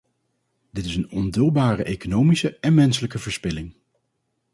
Dit is een onduldbare economische en menselijke verspilling.